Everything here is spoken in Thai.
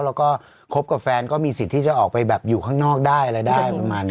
แล้วก็คบกับแฟนก็มีสิทธิ์ที่จะออกไปแบบอยู่ข้างนอกได้อะไรได้ประมาณนี้